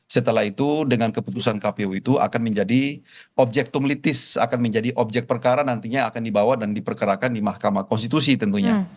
setelah itu dengan keputusan kpu itu akan menjadi objek tumlitis akan menjadi objek perkara nantinya akan dibawa dan diperkerakan di mahkamah konstitusi tentunya